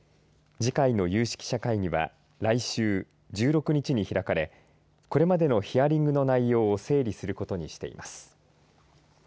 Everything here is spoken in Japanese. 次回の有識者会議は来週１６日に開かれこれまでのヒアリングの内容を整理することにしています。